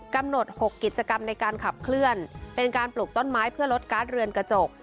กำหนด๖กิจกรรมในการขับเคลื่อนเป็นการปลูกต้นไม้เพื่อลดการ์ดเรือนกระจก